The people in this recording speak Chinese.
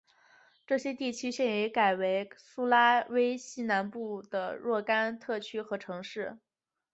这些地区现在已改为苏拉威西南部的若干特区和城市。